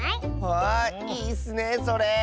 わいいッスねそれ。